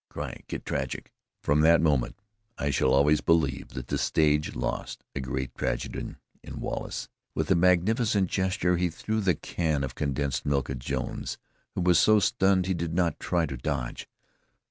Cry! Get tragic!" From that moment I shall always believe that the stage lost a great tragedian in Wallace. With a magnificent gesture he threw the can of condensed milk at Jones, who was so stunned he did not try to dodge.